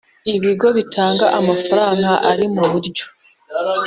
Ibigo bitanga amafaranga ari mu buryo